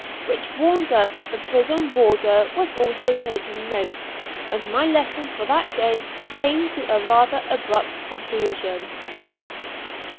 which warned us that the prison warder was also taking notes, and my lesson for that day came to a rather abrupt conclusion.